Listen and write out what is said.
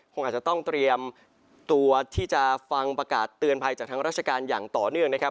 คงอาจจะต้องเตรียมตัวที่จะฟังประกาศเตือนภัยจากทางราชการอย่างต่อเนื่องนะครับ